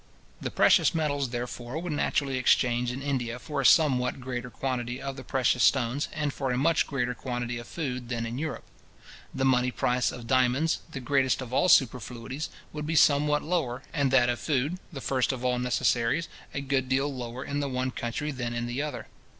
The precious metals, therefore, would naturally exchange in India for a somewhat greater quantity of the precious stones, and for a much greater quantity of food than in Europe. The money price of diamonds, the greatest of all superfluities, would be somewhat lower, and that of food, the first of all necessaries, a great deal lower in the one country than in the other.